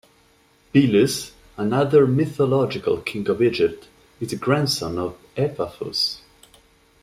Belus, another mythological king of Egypt, is a grandson of Epaphus.